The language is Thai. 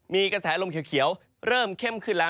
มีกระแสลมเขียวเริ่มเข้มขึ้นแล้ว